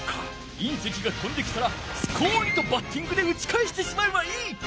隕石が飛んできたらスコンとバッティングで打ちかえしてしまえばいい！